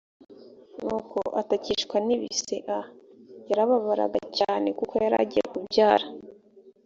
nuko atakishwa n ibise a yarababaraga cyane kuko yari agiye kubyara